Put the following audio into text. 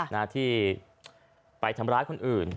นะที่ไปทำร้ายคนอื่น